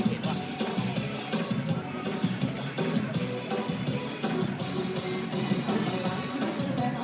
ตรงตรงตรง